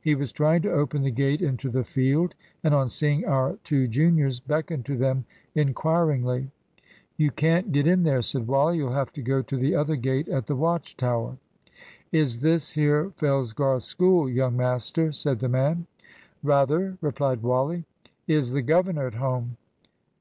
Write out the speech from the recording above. He was trying to open the gate into the field, and on seeing our two juniors beckoned to them inquiringly. "You can't get in there," said Wally. "You'll have to go to the other gate at the Watch Tower." "Is this here Fellsgarth School, young master?" said the man. "Rather," replied Wally. "Is the governor at home!"